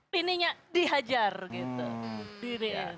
pininya dihajar gitu